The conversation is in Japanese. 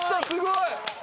すごい！